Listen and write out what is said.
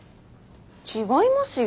違いますよ。